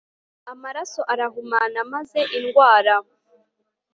Amaraso arahumana maze indwara